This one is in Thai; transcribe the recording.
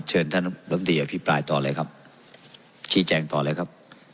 เชิญท่านลำตีอภิปรายต่อเลยครับชี้แจงต่อเลยครับ